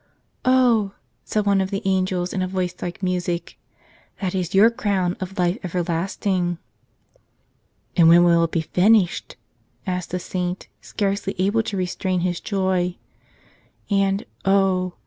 "Oh," said one of the angels in a voice like music, "that is your crown of life everlasting." "And when will it be finished?" asked the saint, scarcely able to restrain his joy. And, oh!